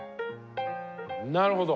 なるほど。